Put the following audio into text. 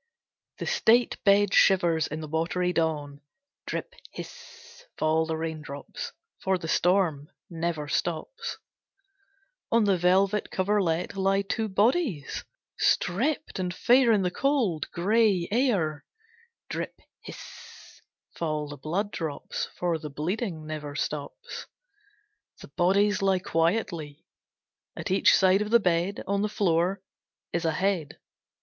II The state bed shivers in the watery dawn. Drip hiss fall the raindrops. For the storm never stops. On the velvet coverlet lie two bodies, stripped and fair in the cold, grey air. Drip hiss fall the blood drops, for the bleeding never stops. The bodies lie quietly. At each side of the bed, on the floor, is a head.